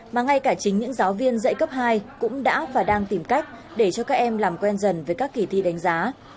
mà ngay cả chính những giáo viên dạy cấp hai cũng đã và đang tìm cách để cho các em làm quen dần với các kỳ thi đánh giá